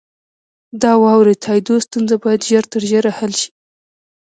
د واورئ تائیدو ستونزه باید ژر تر ژره حل شي.